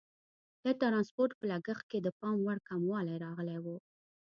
د ټرانسپورټ په لګښت کې د پام وړ کموالی راغلی وو.